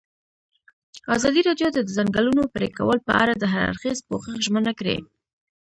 ازادي راډیو د د ځنګلونو پرېکول په اړه د هر اړخیز پوښښ ژمنه کړې.